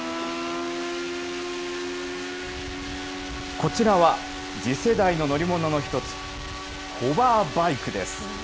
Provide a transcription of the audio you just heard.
こちらは、次世代の乗り物の一つ、ホバーバイクです。